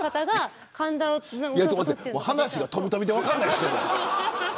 話が飛び飛びで分からないです。